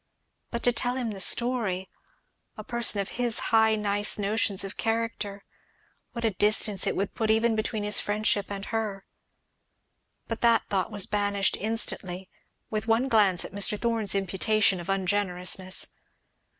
But to tell him the story I a person of his high nice notions of character what a distance it would put even between his friendship and her, but that thought was banished instantly, with one glance at Mr. Thorn's imputation of ungenerousness.